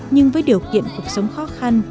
nhưng với điều kiện cuộc sống khó khăn